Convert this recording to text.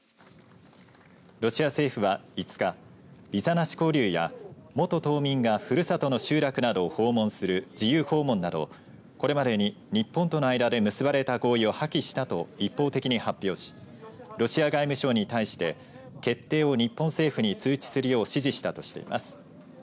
ロシア政府は５日ビザなし交流や元島民が、ふるさとの集落などを訪問する自由訪問などこれまでに日本との間で結ばれた合意を破棄したと一方的に発表しロシア外務省に対して決定を日本政府に通知するよう指示したとしています。